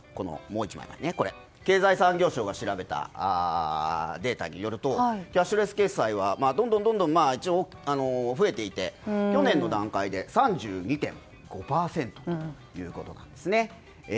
経済産業省が調べたデータによるとキャッシュレス決済はどんどん、どんどん増えていて去年の段階で３２．５％ということなんです。